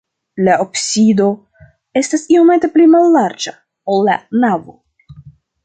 La absido estas iomete pli mallarĝa, ol la navo.